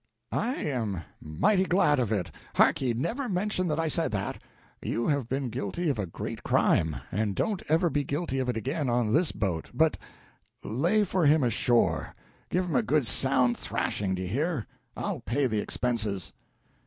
"I am mighty glad of it! Hark ye never mention that I said that! You have been guilty of a great crime; and don't ever be guilty of it again on this boat, but lay for him ashore! Give him a good, sound thrashing, do you hear? I'll pay the expenses."